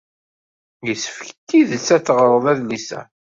Yessefk s tidet ad teɣreḍ adlis-a.